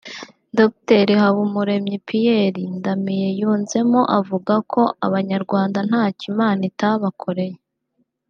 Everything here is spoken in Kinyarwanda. Dr Habumuremyi Pierre Damien yunzemo avuga ko Abanyarwanda ntacyo Imana itabakoreye